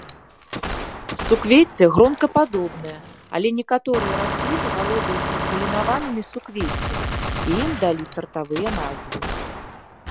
Суквецце гронкападобнае, але некаторыя расліны валодаюць разгалінаванымі суквеццямі і ім далі сартавыя назвы.